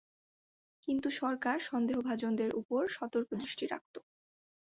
কিন্তু সরকার সন্দেহভাজনদের ওপর সতর্ক দৃষ্টি রাখত।